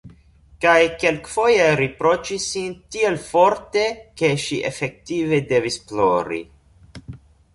Kaj kelkfoje riproĉis sin tiel forte, ke ŝi efektive devis plori.